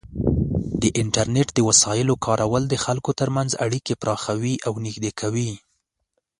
د انټرنیټ د وسایلو کارول د خلکو ترمنځ اړیکې پراخوي او نږدې کوي.